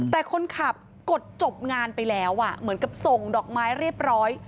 แต่คนขับกดจบงานไปแล้วเหมือนกับส่งดอกไม้เรียบร้อย